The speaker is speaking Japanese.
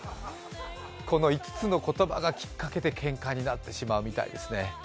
この５つの言葉がきっかけでけんかになってしまうようですね。